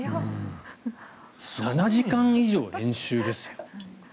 ７時間以上練習ですよ。